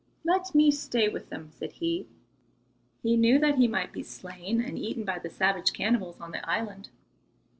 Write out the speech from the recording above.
"Let me stay with them," said he. He knew that he might be slain and eaten by the savage cannibals on the island.